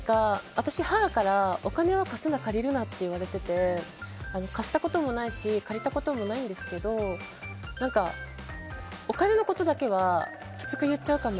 私は母からお金は貸すな借りるなって言われてて貸したこともないし借りたこともないんですけどお金のことだけはきつく言っちゃうかも。